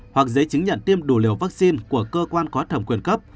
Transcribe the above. hoặc giấy chứng nhận tiêm đủ liều vaccine của cơ quan có thẩm quyền cấp